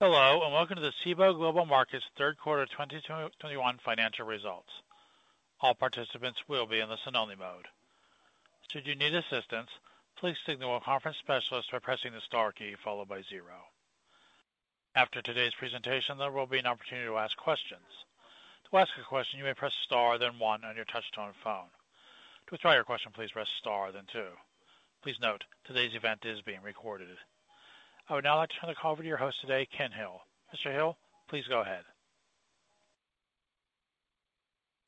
Hello, and welcome to the Cboe Global Markets Q3 2021 Financial Results. All participants will be in the listen-only mode. Should you need assistance, please signal a conference specialist by pressing the star key followed by zero. After today's presentation, there will be an opportunity to ask questions. To ask a question, you may press star then one on your touchtone phone. To withdraw your question, please press star then two. Please note, today's event is being recorded. I would now like to turn the call over to your host today, Kenneth Hill. Mr. Hill, please go ahead.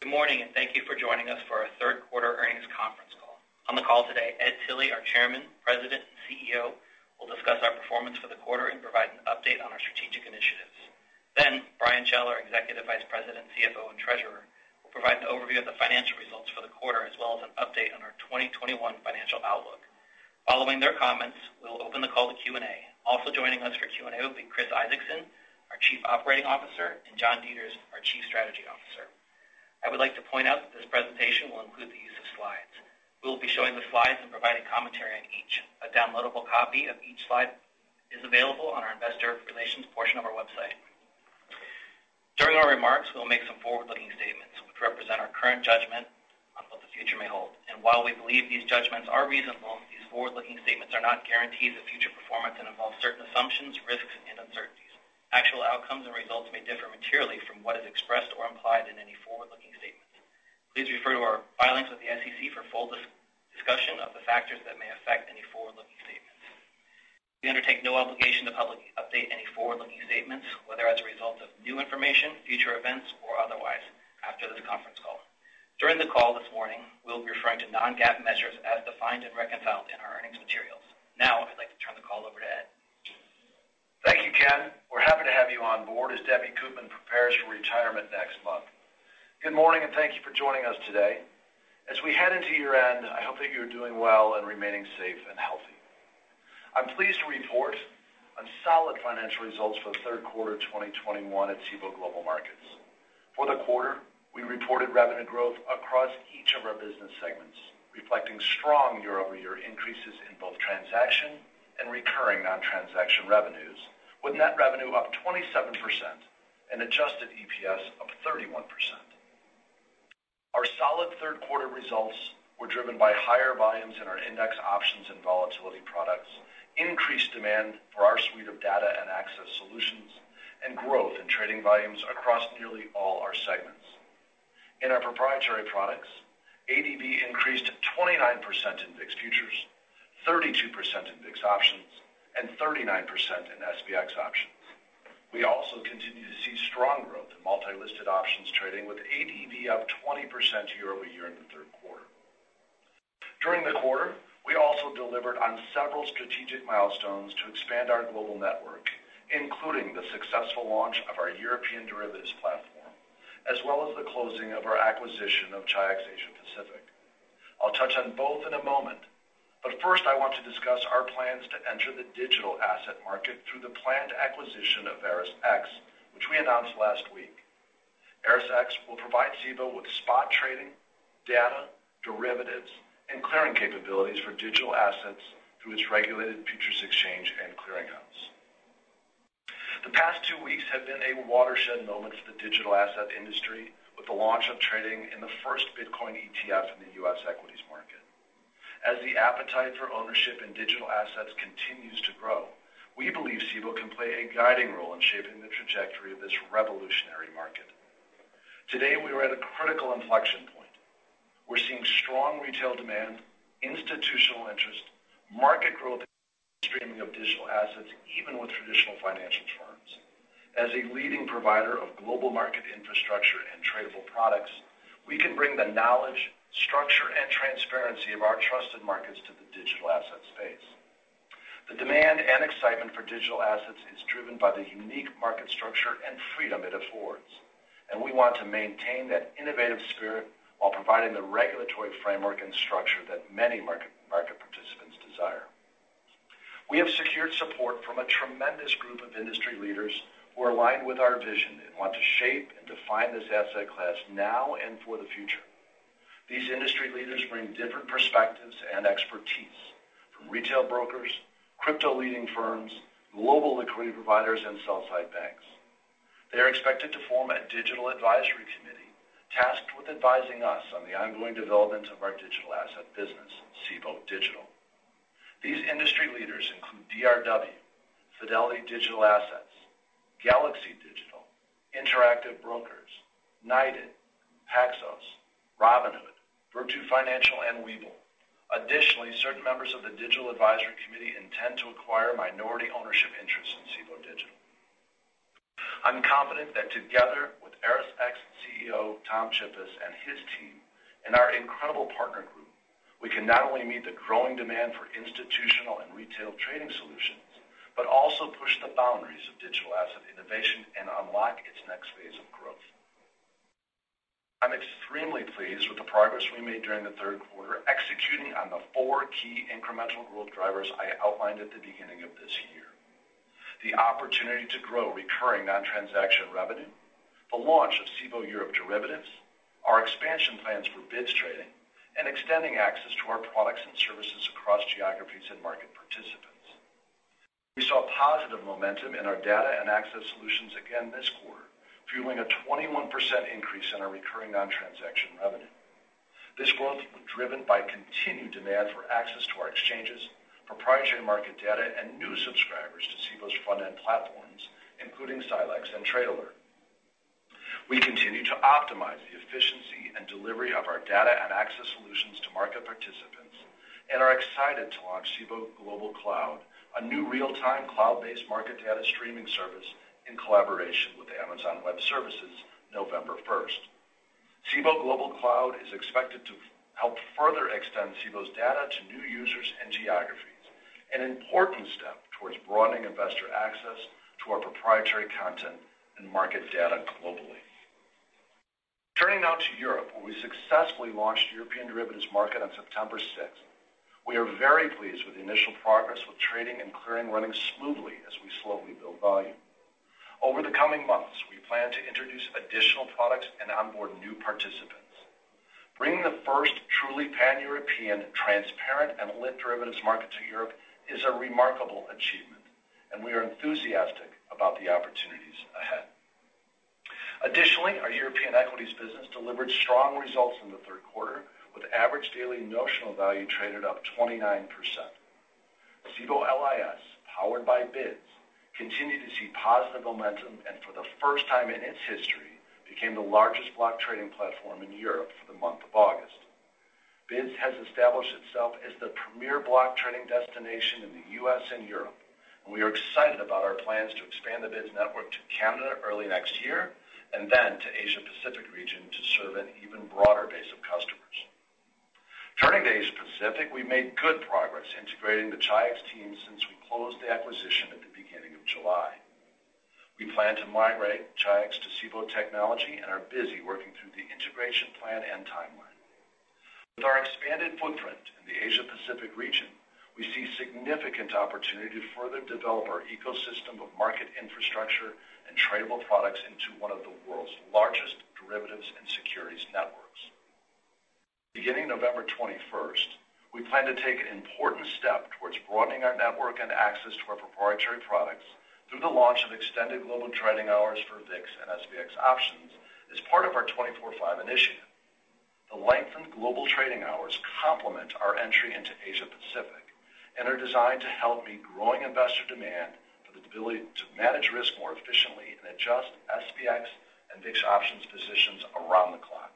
Good morning, and thank you for joining us for our Q3 Earnings Conference Call. On the call today, Ed Tilly, our Chairman, President, and CEO, will discuss our performance for the quarter and provide an update on our strategic initiatives. Then Brian Schell, Executive Vice President, CFO, and Treasurer, will provide an overview of the financial results for the quarter as well as an update on our 2021 financial outlook. Following their comments, we'll open the call to Q&A. Also joining us for Q&A will be Chris Isaacson, our Chief Operating Officer, and John Deters, our Chief Strategy Officer. I would like to point out that this presentation will include the use of slides. We will be showing the slides and providing commentary on each. A downloadable copy of each slide is available on our Investor Relations portion of our website. During our remarks, we'll make some forward-looking statements which represent our current judgment on what the future may hold. While we believe these judgments are reasonable, these forward-looking statements are not guarantees of future performance and involve certain assumptions, risks, and uncertainties. Actual outcomes and results may differ materially from what is expressed or implied in any forward-looking statements. Please refer to our filings with the SEC for full discussion of the factors that may affect any forward-looking statements. We undertake no obligation to publicly update any forward-looking statements, whether as a result of new information, future events, or otherwise after this conference call. During the call this morning, we'll be referring to non-GAAP measures as defined and reconciled in our earnings materials. Now, I'd like to turn the call over to Ed. Thank you, Ken. We're happy to have you on board as Debbie Koopman prepares for retirement next month. Good morning, and thank you for joining us today. As we head into year-end, I hope that you're doing well and remaining safe and healthy. I'm pleased to report on solid financial results for the Q3 of 2021 at Cboe Global Markets. For the quarter, we reported revenue growth across each of our business segments, reflecting strong year-over-year increases in both transaction and recurring non-transaction revenues, with net revenue up 27% and adjusted EPS up 31%. Our solid Q3 results were driven by higher volumes in our index options and volatility products, increased demand for our suite of Data and Access Solutions, and growth in trading volumes across nearly all our segments. In our proprietary products, ADV increased 29% in VIX futures, 32% in VIX options, and 39% in SPX options. We also continue to see strong growth in multi-listed options trading, with ADV up 20% year-over-year in the Q3. During the quarter, we also delivered on several strategic milestones to expand our global network, including the successful launch of our European derivatives platform, as well as the closing of our acquisition of Chi-X Asia Pacific. I'll touch on both in a moment, but first, I want to discuss our plans to enter the digital asset market through the planned acquisition of ErisX, which we announced last week. ErisX will provide Cboe with spot trading, data, derivatives, and clearing capabilities for digital assets through its regulated futures exchange and clearinghouse. The past two weeks have been a watershed moment for the digital asset industry with the launch of trading in the first Bitcoin ETF in the U.S. equities market. As the appetite for ownership in digital assets continues to grow, we believe Cboe can play a guiding role in shaping the trajectory of this revolutionary market. Today, we are at a critical inflection point. We're seeing strong retail demand, institutional interest, market growth streaming of digital assets, even with traditional financial firms. As a leading provider of global market infrastructure and tradable products, we can bring the knowledge, structure, and transparency of our trusted markets to the digital asset space. The demand and excitement for digital assets is driven by the unique market structure and freedom it affords, and we want to maintain that innovative spirit while providing the regulatory framework and structure that many market participants desire. We have secured support from a tremendous group of industry leaders who are aligned with our vision and want to shape and define this asset class now and for the future. These industry leaders bring different perspectives and expertise from retail brokers, crypto leading firms, global liquidity providers, and sell side banks. They are expected to form a digital advisory committee tasked with advising us on the ongoing development of our digital asset business, Cboe Digital. These industry leaders include DRW, Fidelity Digital Assets, Galaxy Digital, Interactive Brokers, Nascent, Paxos, Robinhood, Virtu Financial, and Webull. Additionally, certain members of the digital advisory committee intend to acquire minority ownership interests in Cboe Digital. I'm confident that together with ErisX CEO, Tom Chippas and his team and our incredible partner group, we can not only meet the growing demand for institutional and retail trading solutions, but also push the boundaries of digital asset innovation and unlock its next phase of growth. I'm extremely pleased with the progress we made during the Q3, executing on the four key incremental growth drivers I outlined at the beginning of this year, the opportunity to grow recurring non-transaction revenue, the launch of Cboe Europe Derivatives, our expansion plans for BIDS Trading, and extending access to our products and services across geographies and market participants. We saw positive momentum in our data and access solutions again this quarter, fueling a 21% increase in our recurring non-transaction revenue. This growth was driven by continued demand for access to our exchanges, proprietary market data, and new subscribers to Cboe's front-end platforms, including Silexx and Trade Alert. We continue to optimize the efficiency and delivery of our data and access solutions to market participants, and are excited to launch Cboe Global Cloud, a new real-time cloud-based market data streaming service in collaboration with Amazon Web Services on November first. Cboe Global Cloud is expected to help further extend Cboe's data to new users and geographies, an important step towards broadening investor access to our proprietary content and market data globally. Turning now to Europe, where we successfully launched Cboe Europe Derivatives on September 6th. We are very pleased with the initial progress with trading and clearing running smoothly as we slowly build volume. Over the coming months, we plan to introduce additional products and onboard new participants. Bringing the first truly Pan-European, transparent, and lit derivatives market to Europe is a remarkable achievement, and we are enthusiastic about the opportunities ahead. Additionally, our European equities business delivered strong results in the Q3, with average daily notional value traded up 29%. Cboe LIS, powered by BIDS, continued to see positive momentum, and for the first time in its history, became the largest block trading platform in Europe for the month of August. BIDS has established itself as the premier block trading destination in the U.S. and Europe, and we are excited about our plans to expand the BIDS network to Canada early next year, and then to Asia Pacific region to serve an even broader base of customers. Turning to Asia Pacific, we made good progress integrating the Chi-X team since we closed the acquisition at the beginning of July. We plan to migrate Chi-X to Cboe technology and are busy working through the integration plan and timeline. With our expanded footprint in the Asia Pacific region, we see significant opportunity to further develop our ecosystem of market infrastructure and tradable products into one of the world's largest derivatives and securities networks. Beginning November 21st, we plan to take an important step towards broadening our network and access to our proprietary products through the launch of extended global trading hours for VIX and SPX options as part of our 24x5 initiative. The lengthened global trading hours complement our entry into Asia Pacific, and are designed to help meet growing investor demand for the ability to manage risk more efficiently and adjust SPX and VIX options positions around the clock.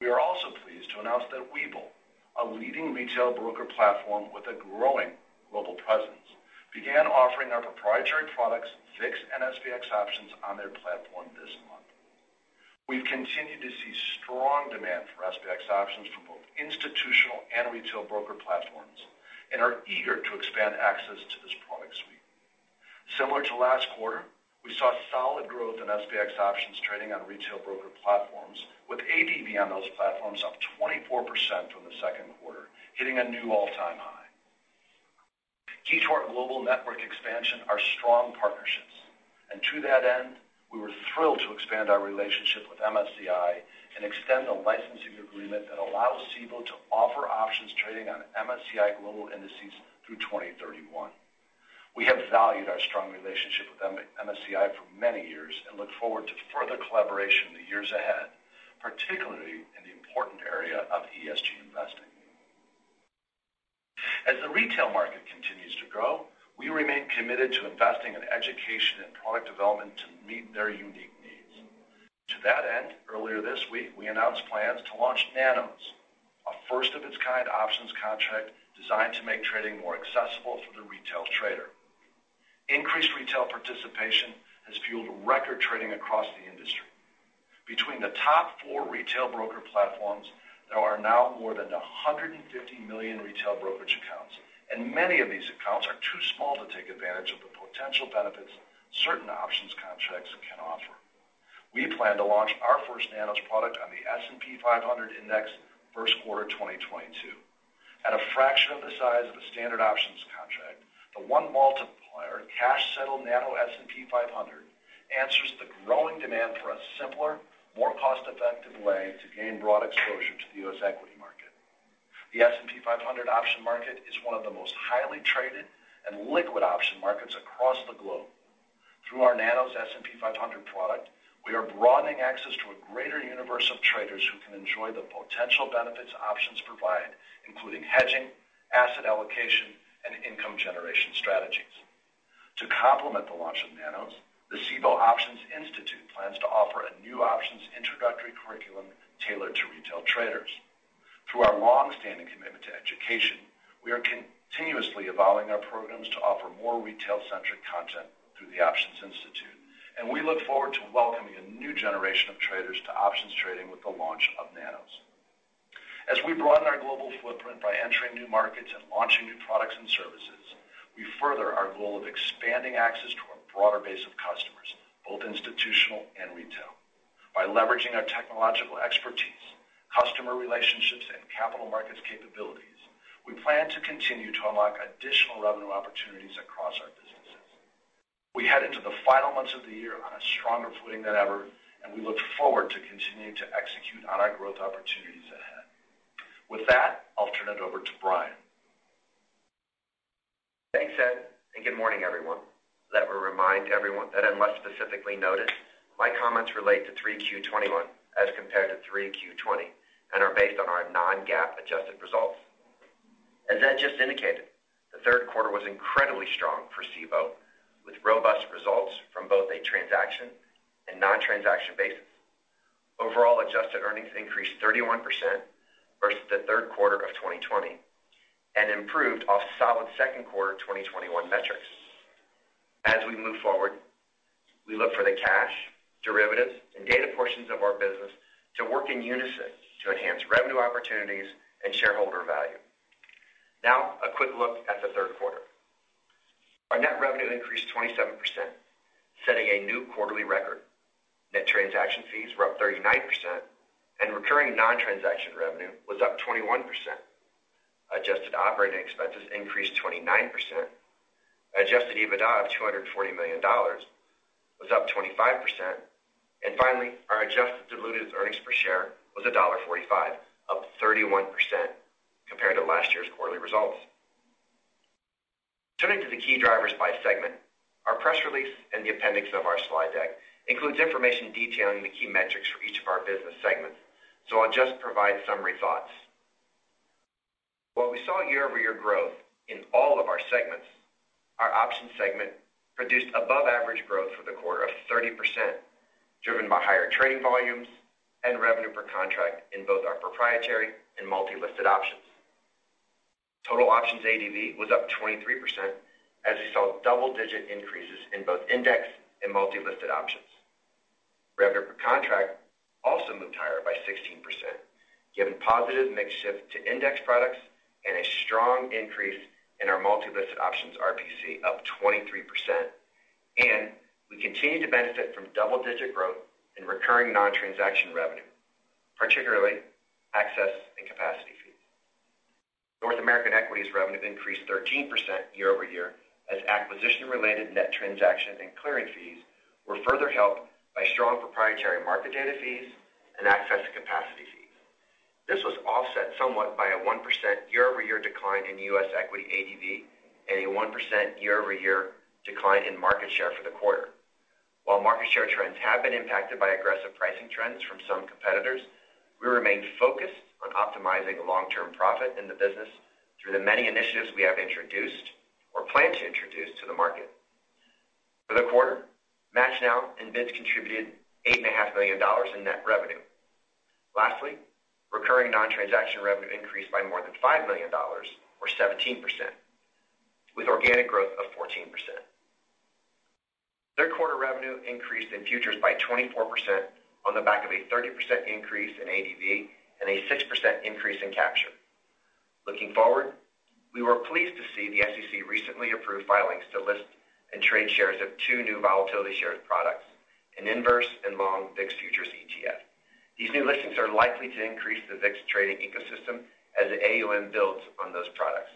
We are also pleased to announce that Webull, a leading retail broker platform with a growing global presence, began offering our proprietary products, VIX and SPX options, on their platform this month. We've continued to see strong demand for SPX options from both institutional and retail broker platforms, and are eager to expand access to this product suite. Similar to last quarter, we saw solid growth in SPX options trading on retail broker platforms, with ADV on those platforms up 24% from the Q2, hitting a new all-time high. Key to our global network expansion are strong partnerships. To that end, we were thrilled to expand our relationship with MSCI and extend the licensing agreement that allows Cboe to offer options trading on MSCI global indices through 2031. We have valued our strong relationship with MSCI for many years and look forward to further collaboration in the years ahead, particularly in the important area of ESG investing. As the retail market continues to grow, we remain committed to investing in education and product development to meet their unique needs. To that end, earlier this week, we announced plans to launch Nanos, a first-of-its-kind options contract designed to make trading more accessible for the retail trader. Increased retail participation has fueled record trading across the industry. Between the top four retail broker platforms, there are now more than 150 million retail brokerage accounts, and many of these accounts are too small to take advantage of the potential benefits certain options contracts can offer. We plan to launch our first Nanos product on the S&P 500 index Q1 2022. At a fraction of the size of a standard options contract, the 1-multiplier cash-settled Nanos S&P 500 answers the growing demand for a simpler, more cost-effective way to gain broad exposure to the U.S. equity market. The S&P 500 option market is one of the most highly traded and liquid option markets across the globe. Through our Nanos S&P 500 product, we are broadening access to a greater universe of traders who can enjoy the potential benefits options provide, including hedging, asset allocation, and income generation strategies. To complement the launch of Nanos, the Cboe Options Institute plans to offer a new options introductory curriculum tailored to retail traders. Through our long-standing commitment to education, we are continuously evolving our programs to offer more retail-centric content through the Options Institute, and we look forward to welcoming a new generation of traders to options trading with the launch of Nanos. As we broaden our global footprint by entering new markets and launching new products and services, we further our goal of expanding access to a broader base of customers, both institutional and retail. By leveraging our technological expertise, customer relationships, and capital markets capabilities, we plan to continue to unlock additional revenue opportunities across our businesses. We head into the final months of the year on a stronger footing than ever, and we look forward to continuing to execute on our growth opportunities ahead. With that, I'll turn it over to Brian. Thanks, Ed, and good morning, everyone. Let me remind everyone that unless specifically noted, my comments relate to Q3 2021 as compared to Q3 2020 and are based on our non-GAAP adjusted results. As Ed just indicated, the Q3 was incredibly strong for Cboe, with robust results from both a transaction and non-transaction basis. Overall adjusted earnings increased 31% versus the Q3 of 2020 and improved off solid Q2 of 2021 metrics. As we move forward, we look for the cash, derivatives, and data portions of our business to work in unison to enhance revenue opportunities and shareholder value. Now, a quick look at the Q3. Our net revenue increased 27%, setting a new quarterly record. Net transaction fees were up 39%, and recurring non-transaction revenue was up 21%. Adjusted operating expenses increased 29%. Adjusted EBITDA of $240 million was up 25%. Finally, our adjusted diluted earnings per share was $1.45, up 31% compared to last year's quarterly results. Turning to the key drivers by segment. Our press release and the appendix of our slide deck includes information detailing the key metrics for each of our business segments, so I'll just provide summary thoughts. While we saw year-over-year growth in all of our segments, our options segment produced above average growth for the quarter of 30%, driven by higher trading volumes and revenue per contract in both our proprietary and multi-listed options. Total options ADV was up 23% as we saw double-digit increases in both index and multi-listed options. Revenue per contract also moved higher by 16%, given positive mix shift to index products and a strong increase in our multi-listed options RPC up 23%. We continue to benefit from double-digit growth in recurring non-transaction revenue, particularly access and capacity fees. North American equities revenue increased 13% year-over-year as acquisition-related net transaction and clearing fees were further helped by strong proprietary market data fees and access and capacity fees. This was offset somewhat by a 1% year-over-year decline in U.S. equity ADV and a 1% year-over-year decline in market share for the quarter. While market share trends have been impacted by aggressive pricing trends from some competitors, we remain focused on optimizing long-term profit in the business through the many initiatives we have introduced or plan to introduce to the market. For the quarter, MATCHNow and BIDS contributed $8.5 million in net revenue. Lastly, recurring non-transaction revenue increased by more than $5 million or 17%, with organic growth of 14%. Q3 revenue increased in futures by 24% on the back of a 30% increase in ADV and a 6% increase in capture. Looking forward, we were pleased to see the SEC recently approved filings to list and trade shares of two new Volatility Shares products, an inverse and long VIX futures ETF. These new listings are likely to increase the VIX trading ecosystem as the AUM builds on those products.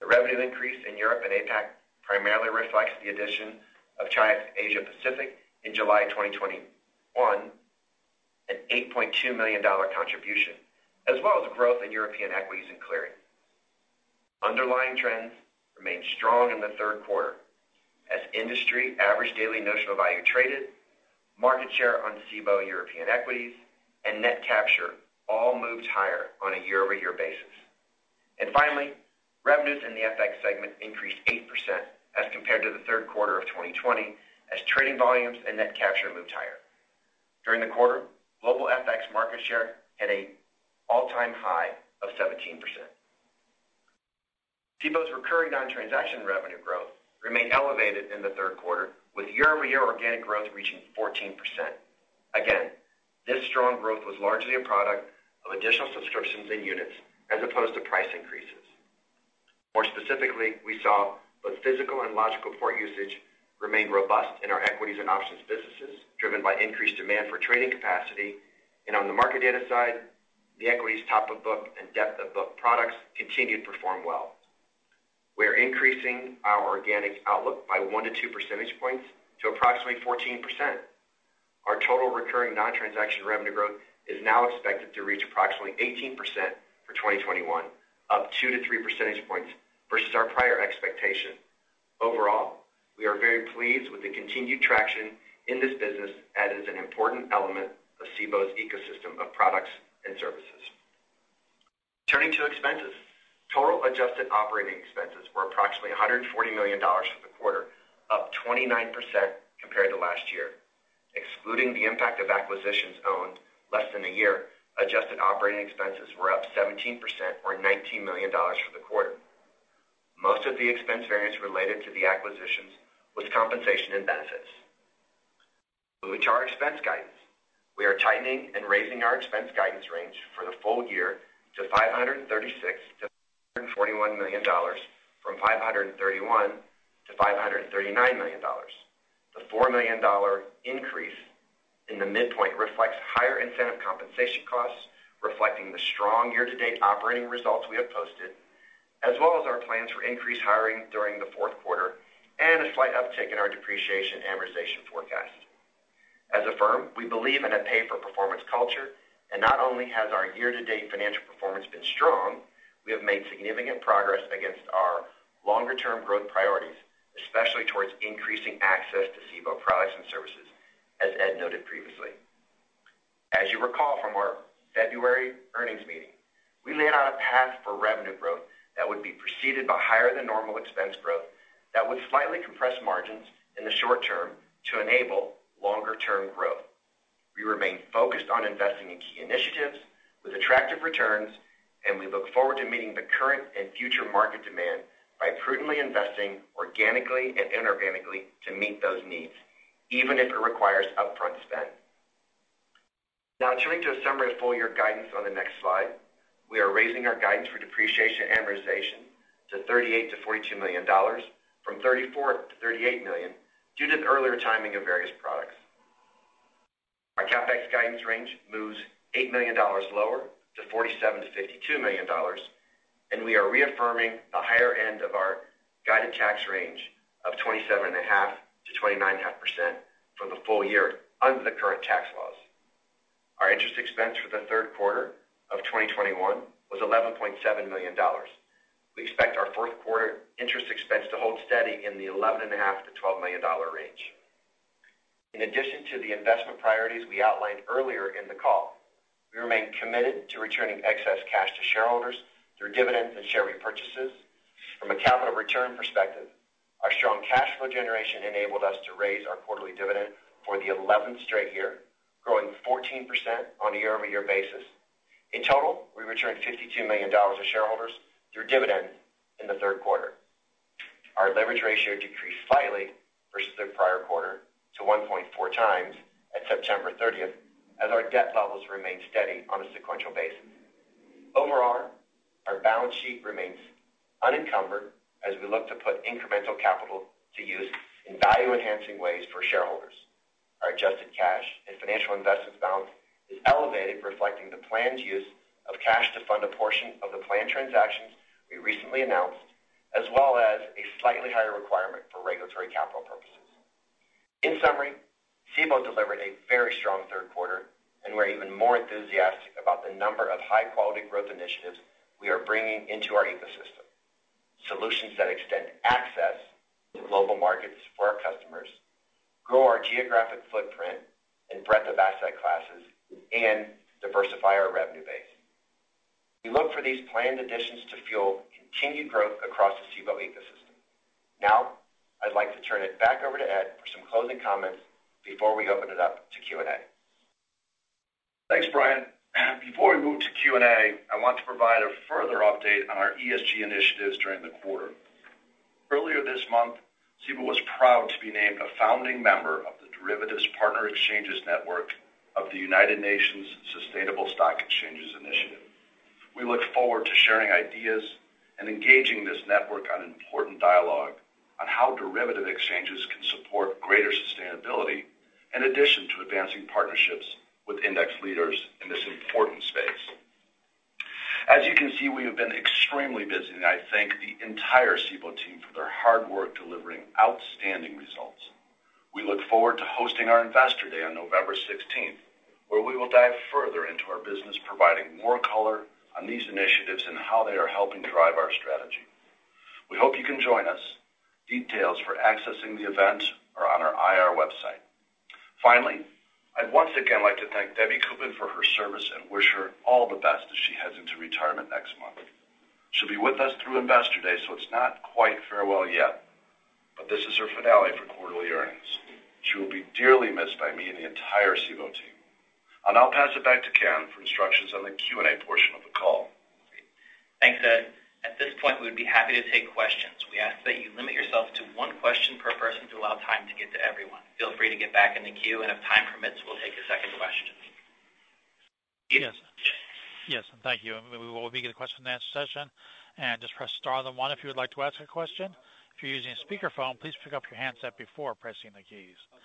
The revenue increase in Europe and APAC primarily reflects the addition of Chi-X Asia Pacific in July 2021, an $8.2 million contribution, as well as growth in European equities and clearing. Underlying trends remained strong in the Q3 as industry average daily notional value traded, market share on Cboe European equities, and net capture all moved higher on a year-over-year basis. Finally, revenues in the FX segment increased 8% as compared to the Q3 of 2020 as trading volumes and net capture moved higher. During the quarter, global FX market share hit an all-time high of 17%. Cboe's recurring non-transaction revenue growth remained elevated in the Q3, with year-over-year organic growth reaching 14%. Again, this strong growth was largely a product of additional subscriptions and units as opposed to price increases. More specifically, we saw both physical and logical port usage remain robust in our equities and options businesses, driven by increased demand for trading capacity. On the market data side, the equities top of book and depth of book products continued to perform well. We are increasing our organic outlook by 1 to 2 percentage points to approximately 14%. Our total recurring non-transaction revenue growth is now expected to reach approximately 18% for 2021, up 2 to 3 percentage points versus our prior expectation. Overall, we are very pleased with the continued traction in this business as it's an important element of Cboe's ecosystem of products and services. Turning to expenses. Total adjusted operating expenses were approximately $140 million for the quarter, up 29% compared to last year. Excluding the impact of acquisitions owned less than a year, adjusted operating expenses were up 17% or $19 million for the quarter. Most of the expense variance related to the acquisitions was compensation and benefits. Moving to our expense guidance. We are tightening and raising our expense guidance range for the full year to $536 million to $541 million from $531 million to $539 million. The $4 million increase in the midpoint reflects higher incentive compensation costs, reflecting the strong year-to-date operating results we have posted, as well as our plans for increased hiring during the Q4 and a slight uptick in our depreciation amortization forecast. As a firm, we believe in a pay-for-performance culture, and not only has our year-to-date financial performance been strong, we have made significant progress against our longer-term growth priorities, especially towards increasing access to Cboe products and services, as Ed noted previously. As you recall from our February earnings meeting, we laid out a path for revenue growth that would be preceded by higher than normal expense growth that would slightly compress margins in the short term to enable longer-term growth. We remain focused on investing in key initiatives with attractive returns, and we look forward to meeting the current and future market demand by prudently investing organically and inorganically to meet those needs, even if it requires upfront spend. Now turning to a summary of full-year guidance on the next slide. We are raising our guidance for depreciation and amortization to $38 million to $42 million from $34 million to $38 million due to the earlier timing of various products. Our CapEx guidance range moves $8 million lower to $47 million to $52 million, and we are reaffirming the higher end of our guided tax range of 27.5% to 29.5% for the full year under the current tax laws. Our interest expense for the Q3 of 2021 was $11.7 million. We expect our Q4 interest expense to hold steady in the $11.5 million to $12 million range. In addition to the investment priorities we outlined earlier in the call, we remain committed to returning excess cash to shareholders through dividends and share repurchases. From a capital return perspective, our strong cash flow generation enabled us to raise our quarterly dividend for the 11th straight year, growing 14% on a year-over-year basis. In total, we returned $52 million to shareholders through dividends in the Q3. Our leverage ratio decreased slightly versus the prior quarter to 1.4x at September 30th as our debt levels remained steady on a sequential basis. Overall, our balance sheet remains unencumbered as we look to put incremental capital to use in value-enhancing ways for shareholders. Our adjusted cash and financial investments balance is elevated, reflecting the planned use of cash to fund a portion of the planned transactions we recently announced, as well as a slightly higher requirement for regulatory capital purposes. In summary, Cboe delivered a very strong Q3, and we're even more enthusiastic about the number of high-quality growth initiatives we are bringing into our ecosystem, solutions that extend access to global markets for our customers, grow our geographic footprint and breadth of asset classes, and diversify our revenue base. We look for these planned additions to fuel continued growth across the Cboe ecosystem. Now, I'd like to turn it back over to Ed for some closing comments before we open it up to Q&A. Thanks, Brian. Before we move to Q&A, I want to provide a further update on our ESG initiatives during the quarter. Earlier this month, Cboe was proud to be named a founding member of the Derivatives Partner Exchanges Network of the United Nations Sustainable Stock Exchanges Initiative. We look forward to sharing ideas and engaging this network on important dialogue on how derivatives exchanges can support greater sustainability, in addition to advancing partnerships with index leaders in this important space. As you can see, we have been extremely busy, and I thank the entire Cboe team for their hard work delivering outstanding results. We look forward to hosting our Investor Day on November 16th, where we will dive further into our business, providing more color on these initiatives and how they are helping drive our strategy. We hope you can join us. Details for accessing the event are on our IR website. Finally, I'd once again like to thank Debbie Koopman for her service and wish her all the best as she heads into retirement next month. She'll be with us through Investor Day, so it's not quite farewell yet, but this is her finale for quarterly earnings. She will be dearly missed by me and the entire Cboe team. I'll now pass it back to Ken for instructions on the Q&A portion of the call. Thanks, Ed. At this point, we would be happy to take questions. We ask that you limit yourselves to one question per person to allow time to get to everyone. Feel free to get back in the queue, and if time permits, we'll take a second question. Yes. Yes, and thank you. We will begin the Q&A session, and just press star then one if you would like to ask a question. If you're using a speakerphone, please pick up your handset before pressing the keys. To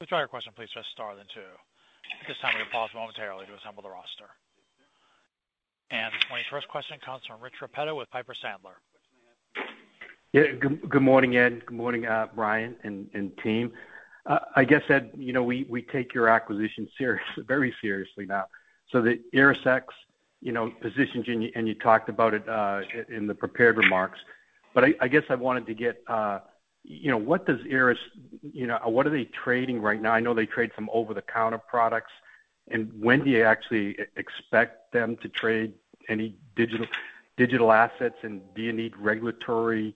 withdraw your question, please press star then two. At this time, we'll pause momentarily to assemble the roster. The first question comes from Rich Repetto with Piper Sandler Corporation. Good morning, Ed. Good morning, Brian and team. I guess, Ed, you know, we take your acquisition very seriously now. The ErisX, you know, positions and you talked about it in the prepared remarks. I guess I wanted to get you know, what does Eris, you know, what are they trading right now? I know they trade some over-the-counter products. When do you actually expect them to trade any digital assets? Do you need regulatory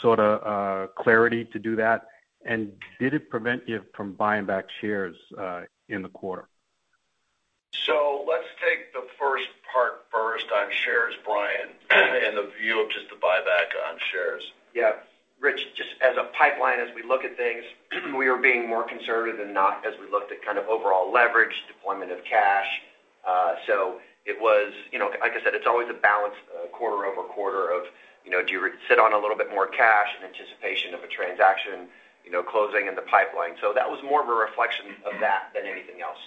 sort of clarity to do that? Did it prevent you from buying back shares in the quarter? Let's take the first part first on shares, Brian, and the view of just the buyback on shares. Yeah. Rich, just as a pipeline, as we look at things, we are being more conservative than not as we look to kind of overall leverage, deployment of cash. It was, you know, like I said, it's always a balance, quarter-over-quarter of, you know, do you sit on a little bit more cash in anticipation of a transaction, you know, closing in the pipeline? That was more of a reflection of that than anything else.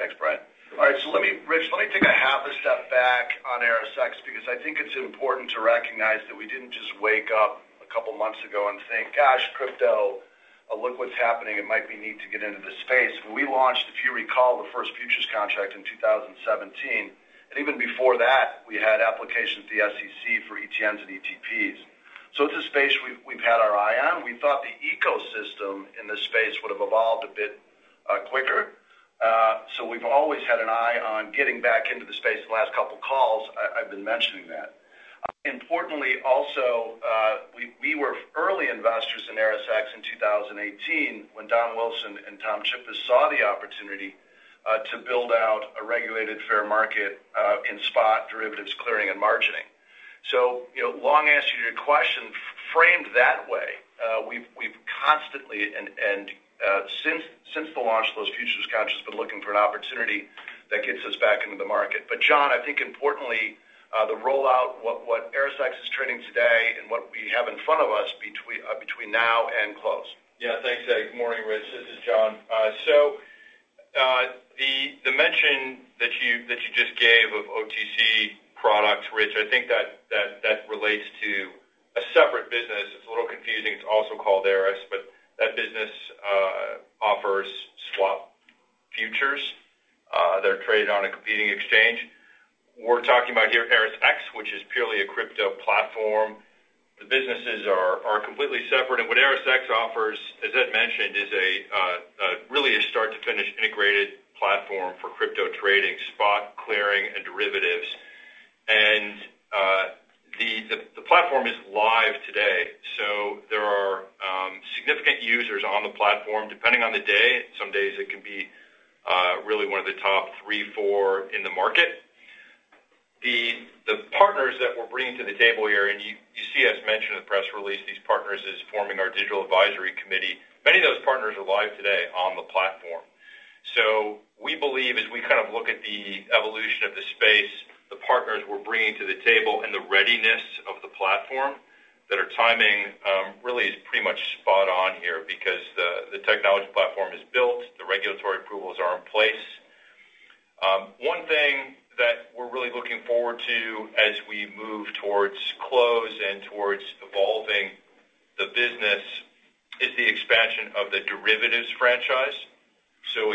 Thanks, Brian. All right, Rich, let me take a half a step back on ErisX because I think it's important to recognize that we didn't just wake up a couple months ago and think, "Gosh, crypto, look what's happening. It might be neat to get into this space." When we launched, if you recall, the first futures contract in 2017, and even before that, we had applications to the SEC for ETNs and ETPs. It's a space we've had our eye on. We thought the ecosystem in this space would have evolved a bit quicker. We've always had an eye on getting back into the space. The last couple of calls, I've been mentioning that. Importantly, also, we were early investors in ErisX in 2018 when Don Wilson and Tom Chippas saw the opportunity to build out a regulated fair market in spot derivatives, clearing and margining. You know, long answer to your question, framed that way, we've constantly and since the launch of those futures contracts, been looking for an opportunity that gets us back into the market. John, I think importantly, the rollout, what ErisX is trading today and what we have in front of us between now and close. Yeah, thanks, Dave. Morning, Rich. This is John. So, the mention that you just gave of OTC products, Rich, I think that relates to a separate business. It's a little confusing. It's also called Eris, but that business offers swap futures that are traded on a competing exchange. We're talking about here ErisX, which is purely a crypto platform. The businesses are completely separate. What ErisX offers, as Ed mentioned, is really a start-to-finish integrated platform for crypto trading, spot clearing, and derivatives. The platform is live today, so there are significant users on the platform, depending on the day. Some days it can be really one of the top three, four in the market. The partners that we're bringing to the table here, and you see us mention in the press release, these partners is forming our digital advisory committee. Many of those partners are live today on the platform. We believe as we kind of look at the evolution of the space, the partners we're bringing to the table and the readiness of the platform, that our timing really is pretty much spot on here because the technology platform is built, the regulatory approvals are in place. One thing that we're really looking forward to as we move towards close and towards evolving the business is the expansion of the derivatives franchise.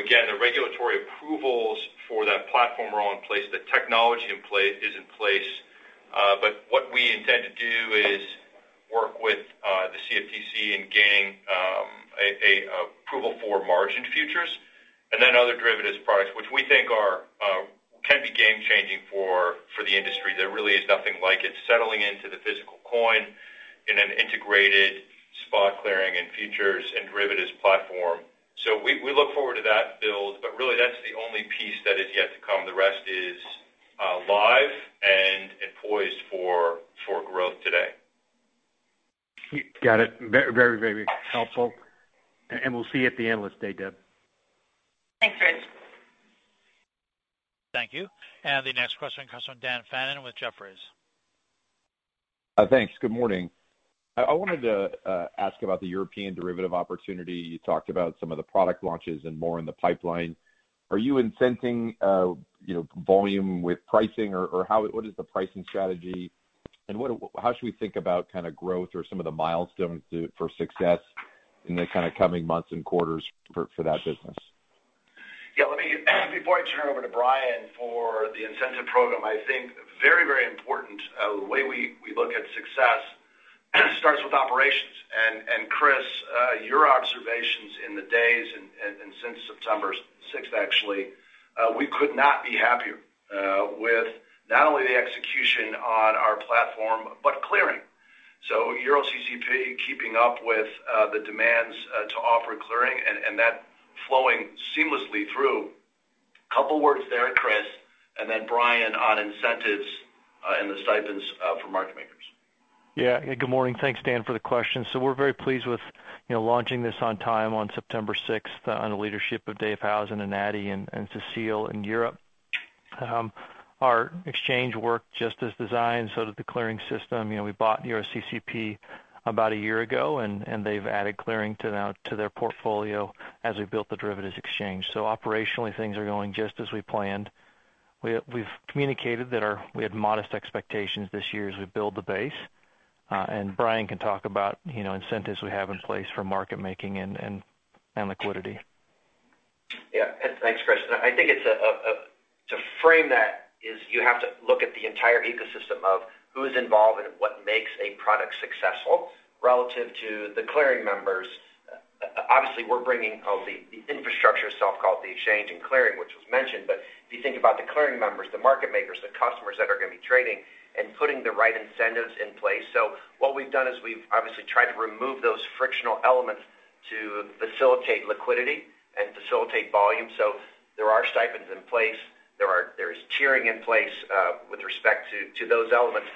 Again, the regulatory approvals for that platform are all in place. The technology is in place. what we intend to do is work with the CFTC in gaining a approval for margin futures and then other derivatives products, which we think are can be game changing for the industry. There really is nothing like it, settling into the physical coin in an integrated spot clearing and futures and derivatives platform. We look forward to that build, but really, that's the only piece that is yet to come. The rest is live and poised for growth today. Got it. Very helpful. We'll see you at the Analyst Day, Deb. Thanks, Rich. Thank you. The next question comes from Daniel Fannon with Jefferies. Thanks. Good morning. I wanted to ask about the European derivative opportunity. You talked about some of the product launches and more in the pipeline. Are you incenting, you know, volume with pricing or how, what is the pricing strategy? How should we think about kind of growth or some of the milestones for success in the kind of coming months and quarters for that business? Yeah, let me, before I turn it over to Brian for the incentive program, I think very, very important, the way we look at success starts with operations. Chris, your observations in the days and since September 6th, actually, we could not be happier, with not only the execution on our platform, but clearing. EuroCCP keeping up with the demands to offer clearing and that flowing seamlessly through. Couple words there, Chris, and then Brian on incentives and the stipends for market makers. Yeah. Good morning. Thanks, Dan, for the question. We're very pleased with, you know, launching this on time on September sixth, on the leadership of Dave Howson and Nati and Cecile in Europe. Our exchange worked just as designed so that the clearing system, you know, we bought EuroCCP about a year ago, and they've added clearing to their portfolio as we built the derivatives exchange. Operationally, things are going just as we planned. We've communicated that we had modest expectations this year as we build the base. Brian can talk about, you know, incentives we have in place for market making and liquidity. Yeah. Thanks, Chris. I think it's to frame that is you have to look at the entire ecosystem of who's involved and what makes a product successful relative to the clearing members. Obviously, we're bringing the infrastructure itself called the exchange and clearing, which was mentioned. But if you think about the clearing members, the market makers, the customers that are gonna be trading and putting the right incentives in place. What we've done is we've obviously tried to remove those frictional elements To facilitate liquidity and volume. There are stipends in place, there is tiering in place, with respect to those elements,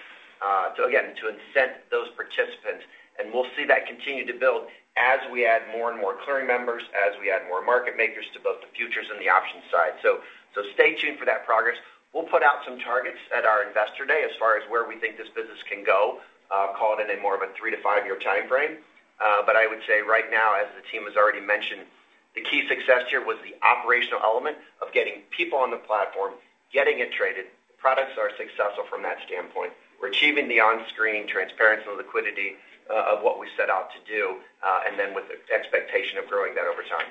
so again, to incent those participants. We'll see that continue to build as we add more and more clearing members, as we add more market makers to both the futures and the options side. So stay tuned for that progress. We'll put out some targets at our Investor Day as far as where we think this business can go, call it in a more of a three to five year timeframe. I would say right now, as the team has already mentioned, the key success here was the operational element of getting people on the platform, getting it traded. Products are successful from that standpoint. We're achieving the onscreen transparency and liquidity of what we set out to do, and then with the expectation of growing that over time.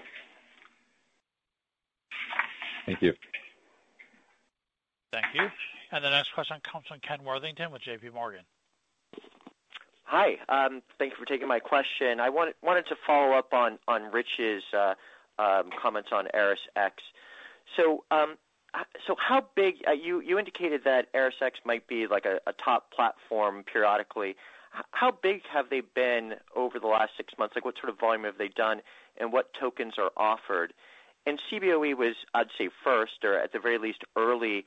Thank you. Thank you. The next question comes from Kenneth Worthington with JPMorgan Chase. Hi, thank you for taking my question. I wanted to follow up on Rich's comments on ErisX. How big. You indicated that ErisX might be like a top platform periodically. How big have they been over the last six months? Like, what sort of volume have they done, and what tokens are offered? Cboe was, I'd say, first, or at the very least early,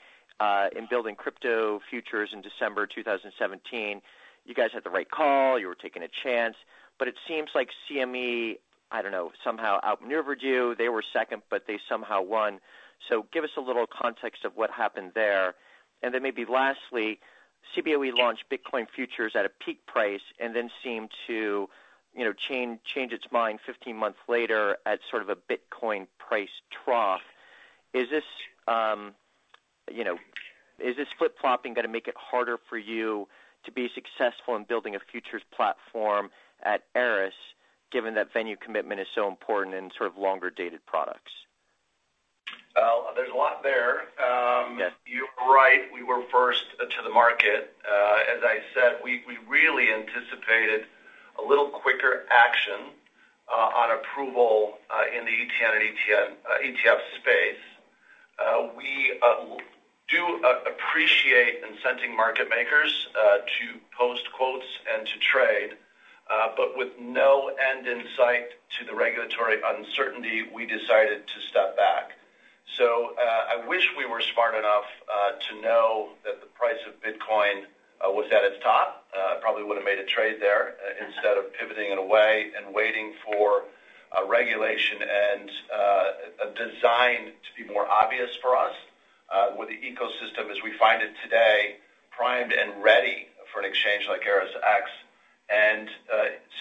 in building crypto futures in December 2017. You guys had the right call, you were taking a chance. It seems like CME, I don't know, somehow outmaneuvered you. They were second, but they somehow won. Give us a little context of what happened there. Then maybe lastly, Cboe launched Bitcoin futures at a peak price and then seemed to, you know, change its mind 15 months later at sort of a Bitcoin price trough. Is this, you know, is this flip-flopping gonna make it harder for you to be successful in building a futures platform at Eris, given that venue commitment is so important in sort of longer-dated products? Well, there's a lot there. Yes. You're right, we were first to the market. As I said, we really anticipated a little quicker action on approval in the ETN and ET-ETF space. We appreciate incenting market makers to post quotes and to trade, but with no end in sight to the regulatory uncertainty, we decided to step back. I wish we were smart enough to know that the price of Bitcoin was at its top. Probably would've made a trade there instead of pivoting it away and waiting for a regulation and a design to be more obvious for us with the ecosystem as we find it today, primed and ready for an exchange like ErisX.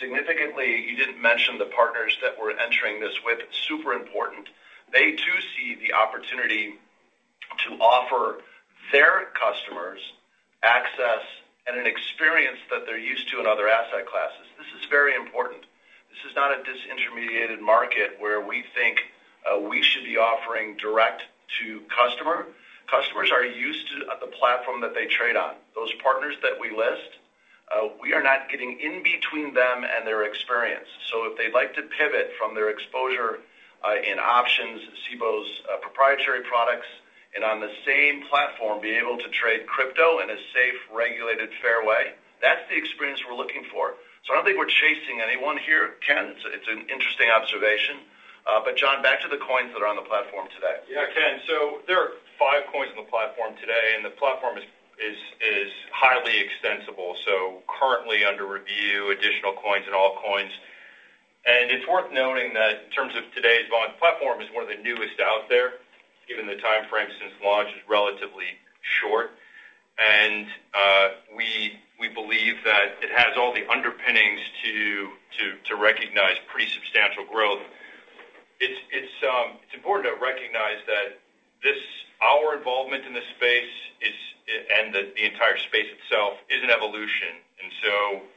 Significantly, you didn't mention the partners that we're entering this with. Super important. They too see the opportunity to offer their customers access and an experience that they're used to in other asset classes. This is very important. This is not a disintermediated market where we think we should be offering direct to customer. Customers are used to the platform that they trade on. Those partners that we list, we are not getting in between them and their experience. If they'd like to pivot from their exposure in options, Cboe's proprietary products, and on the same platform be able to trade crypto in a safe, regulated, fair way, that's the experience we're looking for. I don't think we're chasing anyone here, Ken. It's an interesting observation. John, back to the coins that are on the platform today. Yeah, Ken. There are five coins on the platform today, and the platform is highly extensible, so currently under review additional coins and all coins. We believe that it has all the underpinnings to recognize pretty substantial growth. It's important to recognize that this, our involvement in this space is, and the entire space itself is an evolution.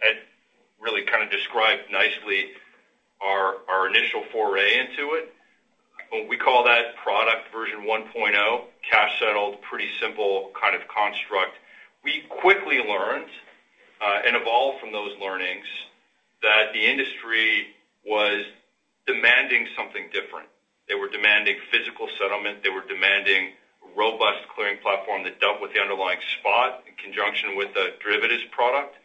Ed really kind of described nicely our initial foray into it. We call that product version 1.0, cash settled, pretty simple kind of construct. We quickly learned and evolved from those learnings that the industry was demanding something different. They were demanding physical settlement. They were demanding robust clearing platform that dealt with the underlying spot in conjunction with a derivatives product.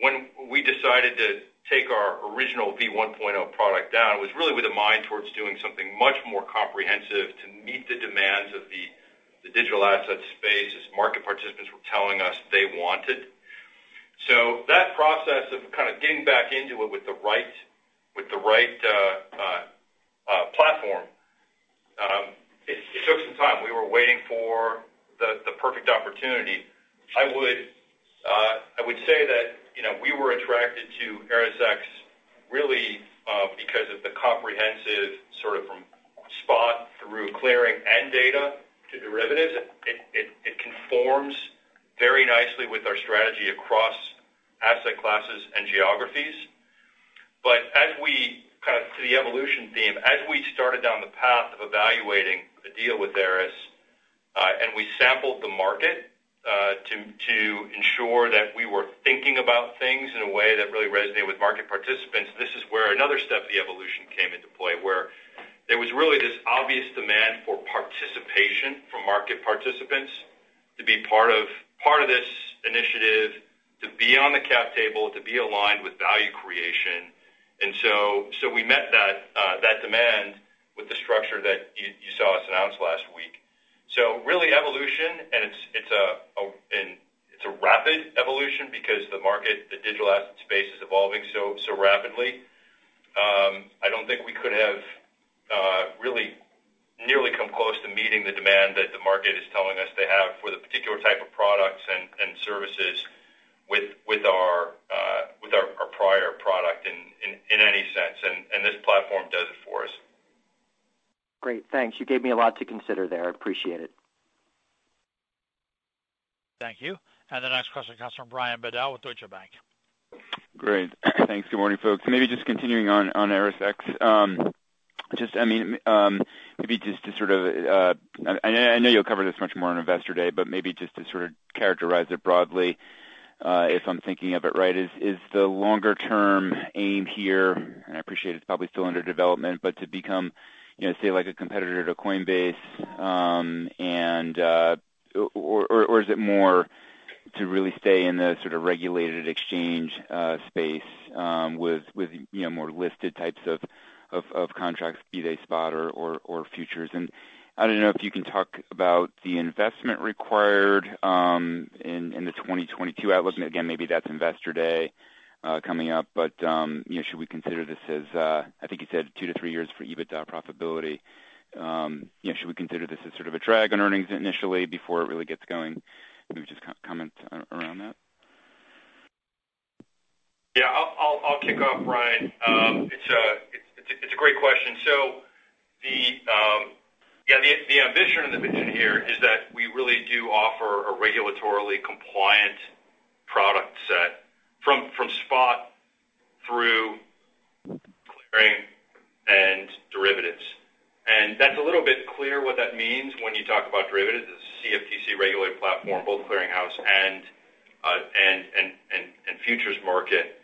When we decided to take our original V 1.0 product down, it was really with a mind towards doing something much more comprehensive to meet the demands of the digital asset space as market participants were telling us they wanted. That process of kind of getting back into it with the right platform, it took some time. We were waiting for the perfect opportunity. I would say that, you know, we were attracted to ErisX really because of the comprehensive sort of from spot through clearing and data to derivatives. It conforms very nicely with our strategy across asset classes and geographies. As we kind of to the evolution theme, as we started down the path of evaluating the deal with Eris, and we sampled the market, to ensure that we were thinking about things in a way that really resonated with market participants, this is where another step of the evolution came into play, where there was really this obvious demand for participation from market participants. To be part of this initiative, to be on the cap table, to be aligned with value creation. We met that demand with the structure that you saw us announce last week. Really evolution, and it's a rapid evolution because the market, the digital asset space is evolving so rapidly. I don't think we could have really nearly come close to meeting the demand that the market is telling us they have for the particular type of products and services with our prior product in any sense. This platform does it for us. Great. Thanks. You gave me a lot to consider there. I appreciate it. Thank you. The next question comes from Brian Bedell with Deutsche Bank. Great. Thanks. Good morning, folks. Maybe just continuing on ErisX. I mean, maybe just to sort of characterize it broadly, I know you'll cover this much more on Investor Day, but maybe just to sort of characterize it broadly, if I'm thinking of it right, is the longer-term aim here, and I appreciate it's probably still under development, but to become, you know, say like a competitor to Coinbase, and or is it more to really stay in the sort of regulated exchange space, with you know more listed types of contracts, be they spot or futures? And I don't know if you can talk about the investment required in the 2022 outlook. Maybe that's Investor Day coming up, but you know, should we consider this as I think you said two to three years for EBITDA profitability. You know, should we consider this as sort of a drag on earnings initially before it really gets going? Maybe just comment around that. Yeah. I'll kick off, Brian. It's a great question. The ambition and the vision here is that we really do offer a regulatorily compliant product set from spot through clearing and derivatives. That's a little bit clear what that means when you talk about derivatives, it's a CFTC-regulated platform, both clearinghouse and futures market.